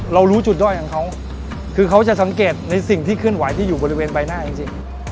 รู้จุดด้อยของเขาคือเขาจะสังเกตในสิ่งที่เคลื่อนไหวที่อยู่บริเวณใบหน้าจริง